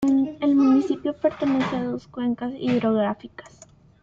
El municipio pertenece a dos cuencas hidrográficas.